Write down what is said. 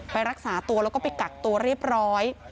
รักษาตัวแล้วก็ไปกักตัวเรียบร้อย